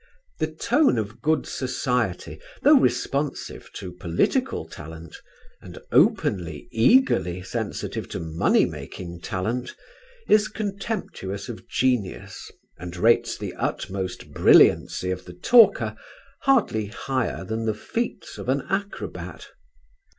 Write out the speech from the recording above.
The tone of good society, though responsive to political talent, and openly, eagerly sensitive to money making talent, is contemptuous of genius and rates the utmost brilliancy of the talker hardly higher than the feats of an acrobat.